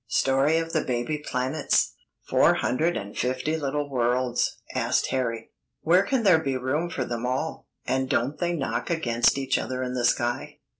STORY OF THE BABY PLANETS. "Four hundred and fifty little worlds?" asked Harry. "Where can there be room for them all, and don't they knock against each other in the sky?"